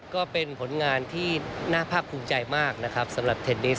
ก็เป็นผลงานที่น่าภาคภูมิใจมากนะครับสำหรับเทนนิส